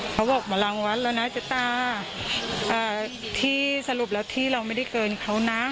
เขาบอกมารังวัดแล้วนะเจ๊ตาที่สรุปแล้วที่เราไม่ได้เกินเขานะ